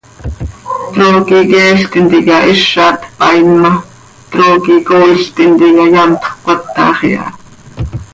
Trooqui cheel tintica hiza tpaain ma, trooqui cooil tintica yamtxö cöcatax iha.